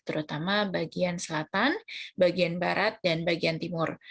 terutama bagian selatan bagian barat dan bagian timur